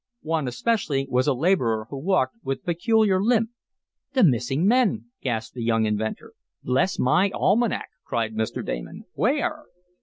One especially, was a laborer who walked with a peculiar limp. "The missing men!" gasped the young inventor. "Bless my almanac!" cried Mr. Damon. "Where?"